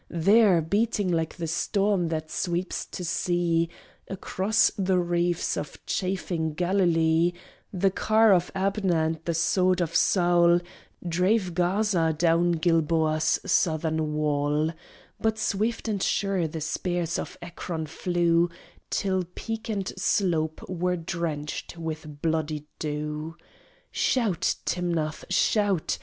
There, beating like the storm that sweeps to sea Across the reefs of chafing Galilee, The car of Abner and the sword of Saul Drave Gaza down Gilboa's southern wall; But swift and sure the spears of Ekron flew, Till peak and slope were drenched with bloody dew. "Shout, Timnath, shout!"